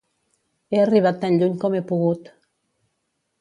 He arribat tan lluny com he pogut.